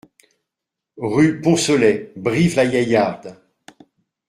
Rue Poncelet, Brive-la-Gaillarde